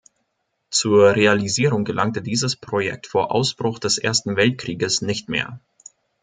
Zur Realisierung gelangte dieses Projekt vor Ausbruch des Ersten Weltkrieges nicht mehr.